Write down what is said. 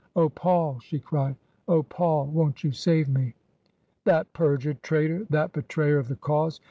" Oh, Paul !*' she cried ;" oh, Paul ! Won't you save me?" " That perjured traitor ! That betrayer of the cause